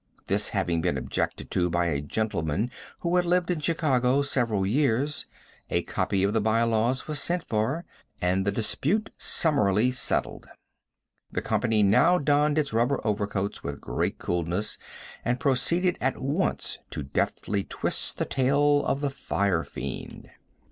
This having been objected to by a gentleman who had lived in Chicago several years, a copy of the by laws was sent for and the dispute summarily settled. The company now donned its rubber overcoats with great coolness and proceeded at once to deftly twist the tail of the firefiend.